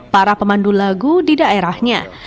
para pemandu lagu di daerahnya